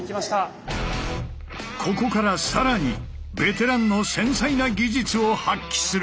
ここから更にベテランの繊細な技術を発揮する。